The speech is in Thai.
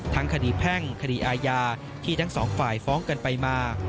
ทั้งคดีแพ่งคดีอาญาที่ทั้งสองฝ่ายฟ้องกันไปมา